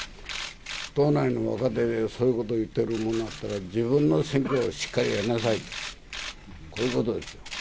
党内の若手でそういうこと言ってる者あったら、自分の選挙をしっかりやりなさいと、こういうことですよ。